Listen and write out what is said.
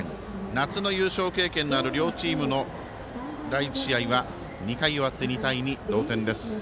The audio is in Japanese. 夏の優勝経験のある両チームの第１試合は２回終わって２対２、同点です。